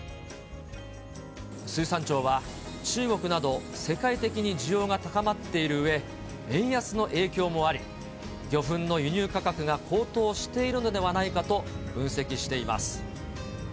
水産庁は中国など、世界的に需要が高まっているうえ、円安の影響もあり、魚粉の輸入価格が高騰しているのではないかと分析しています。